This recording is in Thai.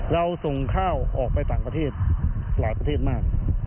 เราส่งข้าวออกไปต่างประเทศหลายประเทศมาก